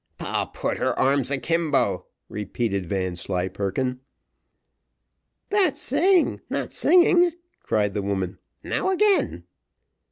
'" "'Poll put her arms a kimbo,'" repeated Vanslyperken. "That's saying, not singing," cried the woman. "Now again.